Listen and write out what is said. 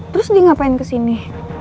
terus dia ngapain kesini